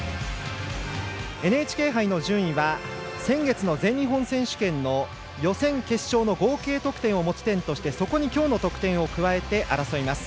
ＮＨＫ杯の順位は先月の全日本選手権の予選、決勝の合計得点を持ち点としてそこに今日の得点を加えて争います。